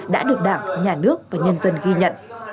đã được đảng nhà nước và nhân dân ghi nhận